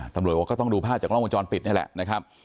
ตำรวจบอกว่าก็ต้องดูภาพจากล้องวงจรปิดนี่แหละนะครับ